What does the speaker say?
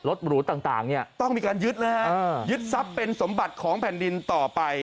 รถบรูซต่างต้องมีการยึดนะครับยึดทรัพย์เป็นสมบัติของแผ่นดินต่อไป